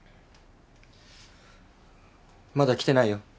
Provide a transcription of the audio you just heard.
まだきてないよ。